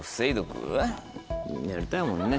やりたいもんね